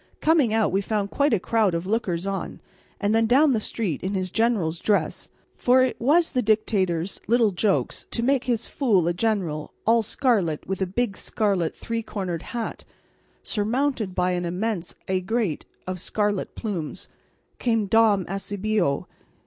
Coming out we found quite a crowd of lookers on, and then down the street, in his general's dress for it was one of the Dictator's little jokes to make his fool a general all scarlet, with a big scarlet three cornered hat surmounted by an immense aigrette of scarlet plumes, came Don Eusebio.